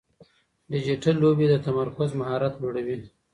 ډیجیټل لوبې د تمرکز مهارت لوړوي.